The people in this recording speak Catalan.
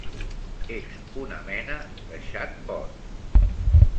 Ets una mena de xatbot.